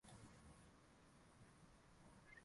ambao hautukuwahi hata kuuona katika ndoto zetu